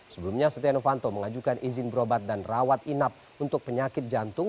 sebelumnya setia novanto mengajukan izin berobat dan rawat inap untuk penyakit jantung